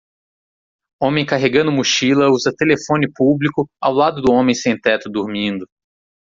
homem carregando mochila usa telefone público ao lado do homem sem-teto dormindo.